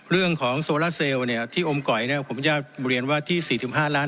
เรื่องของโซล่าเซลที่อมไกรผมจะเรียนว่าที่๔๕ล้าน